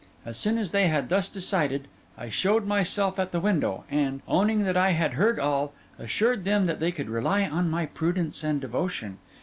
As soon as they had thus decided, I showed myself at the window, and, owning that I had heard all, assured them that they could rely on my prudence and devotion.